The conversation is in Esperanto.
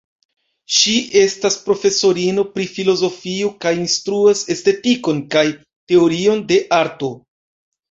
Ŝi estas profesorino pri filozofio kaj instruas estetikon kaj teorion de arto.